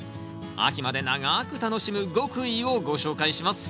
秋まで長く楽しむ極意をご紹介します。